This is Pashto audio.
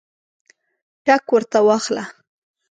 ټګ ورته واخله.